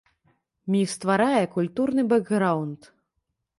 Міф стварае культурны бэкграўнд.